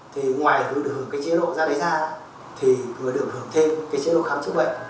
thì ngoài được hưởng chế độ ra đáy ra thì người được hưởng thêm chế độ khám chức bệnh